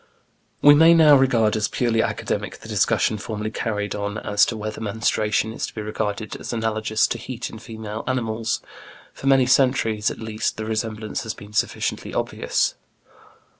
We may now regard as purely academic the discussion formerly carried on as to whether menstruation is to be regarded as analogous to heat in female animals. For many centuries at least the resemblance has been sufficiently obvious.